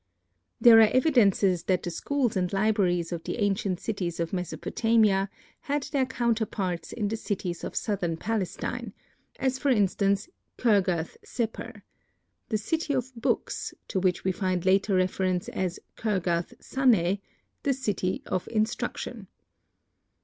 There are evidences that the schools and libraries of the ancient cities of Mesopotamia had their counterparts in the cities of southern Palestine; as for instance Kirgath Seper, "The City of Books," to which we find later reference as Kirgath Sanneh, "The City of Instruction."